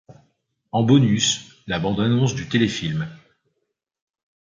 En bonus la bande annonce du téléfilm.